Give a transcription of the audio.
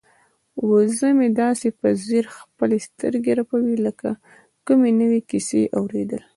وزه مې داسې په ځیر خپلې سترګې رپوي لکه د کومې نوې کیسې اوریدل.